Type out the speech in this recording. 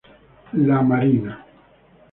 La Marina.